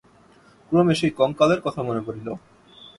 ক্রমে সেই কঙ্কালের কথা মনে পড়িল।